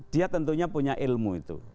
dia tentunya punya ilmu itu